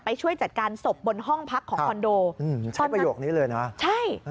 ช่วยจัดการศพบนห้องพักของคอนโดอืมชอบประโยคนี้เลยนะใช่